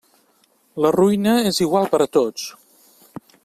La ruïna és igual per a tots.